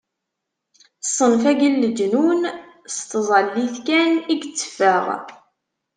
Ṣṣenf-agi n leǧnun, s tẓallit kan i yetteffeɣ.